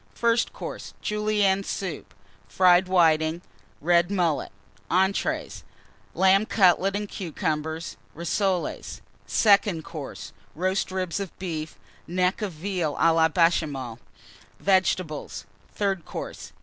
FIRST COURSE. Julienne Soup. Fried Whitings. Red Mullet. ENTREES. Lamb Cutlets and Cucumbers. Rissoles. SECOND COURSE. Roast Ribs of Beef. Neck of Veal à la Béchamel. Vegetables. THIRD COURSE.